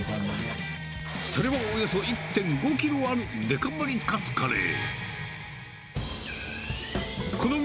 それはおよそ１．５キロあるデカ盛りカツカレー。